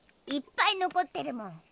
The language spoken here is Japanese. いっぱい残ってるもん。